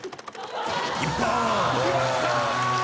きました！